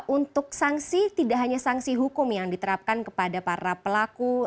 untuk sanksi tidak hanya sanksi hukum yang diterapkan kepada para pelaku